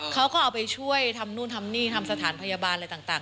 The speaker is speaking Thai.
เขาก็เอาไปช่วยทำนู่นทำนี่ทำสถานพยาบาลอะไรต่าง